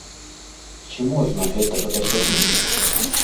Ці можна гэтага дасягнуць?